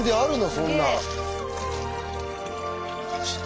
そんなん。